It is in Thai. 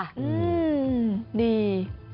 อืมดี